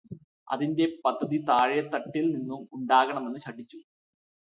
അതിന്റെ പദ്ധതി താഴേത്തട്ടിൽ നിന്നും ഉണ്ടാക്കണമെന്നും ശഠിച്ചു.